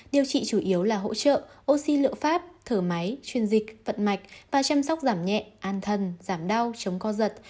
điều trị chủ yếu là hỗ trợ oxy liệu pháp thở máy chuyên dịch vận mạch và chăm sóc giảm nhẹ an thần giảm đau chống co giật